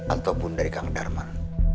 atau bunda kang darman